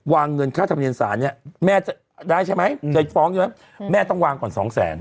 เงินค่าธรรมเนียนศาลเนี่ยแม่จะได้ใช่ไหมจะฟ้องใช่ไหมแม่ต้องวางก่อนสองแสน